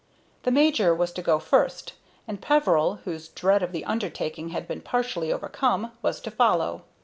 The major was to go first, and Peveril, whose dread of the undertaking had been partially overcome, was to follow.